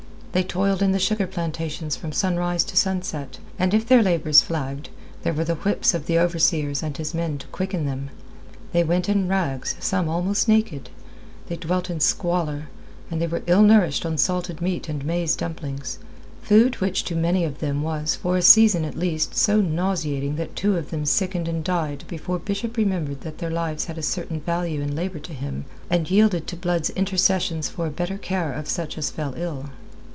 They toiled in the sugar plantations from sunrise to sunset, and if their labours flagged, there were the whips of the overseer and his men to quicken them. They went in rags, some almost naked; they dwelt in squalor, and they were ill nourished on salted meat and maize dumplings food which to many of them was for a season at least so nauseating that two of them sickened and died before Bishop remembered that their lives had a certain value in labour to him and yielded to Blood's intercessions for a better care of such as fell ill.